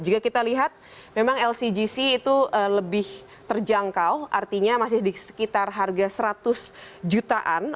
jika kita lihat memang lcgc itu lebih terjangkau artinya masih di sekitar harga seratus jutaan